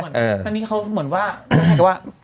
อันนี้เขาเหมือนว่า